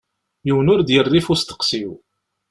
Yiwen ur d-yerri ɣef usteqsi-w.